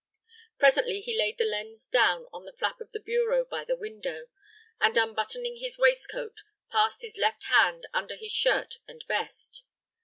Presently he laid the lens down on the flap of the bureau by the window, and, unbuttoning his waistcoat, passed his left hand under his shirt and vest.